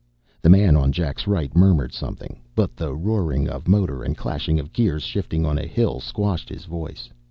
The man on Jack's right murmured something, but the roaring of motor and clashing of gears shifting on a hill squashed his voice.